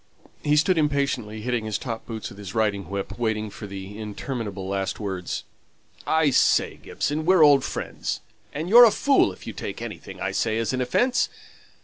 He stood impatiently hitting his top boots with his riding whip, waiting for the interminable last words. "I say, Gibson, we're old friends, and you're a fool if you take anything I say as an offence.